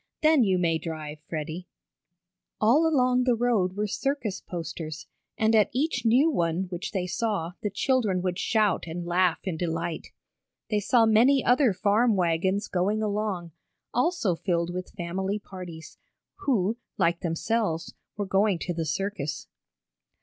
"Then you may drive, Freddie." All along the road were circus posters, and at each new one which they saw the children would shout and laugh in delight. They saw many other farm wagons going along, also filled with family parties, who, like themselves, were going to the circus.